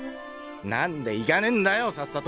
なんで行かねえんだよさっさと！